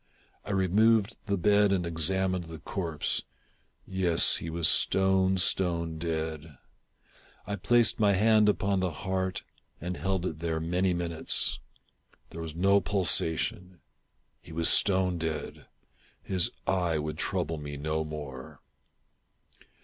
I removed the bed and examined the corpse. Yes, he was stone, stone dead. I placed my hand upon the heart and held it there many minutes. There was no pulsation. He was stone dead. His eye would trouble me no more.